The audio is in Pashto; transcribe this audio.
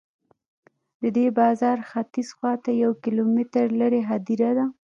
د دې بازار ختیځ خواته یو کیلومتر لرې هدیره ده.